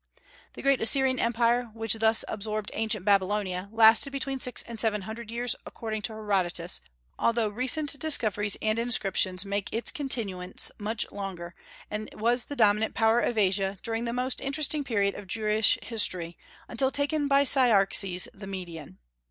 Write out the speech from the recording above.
The great Assyrian Empire, which thus absorbed ancient Babylonia, lasted between six and seven hundred years, according to Herodotus, although recent discoveries and inscriptions make its continuance much longer, and was the dominant power of Asia during the most interesting period of Jewish history, until taken by Cyaxares the Median.